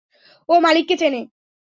ও মালিককে চেনে।